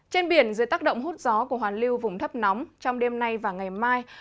trên biển dưới tác động hút gió của hoàn lưu vùng thấp nóng trong đêm nay và ngày mai